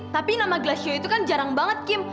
tapi nama glassio itu kan jarang banget kim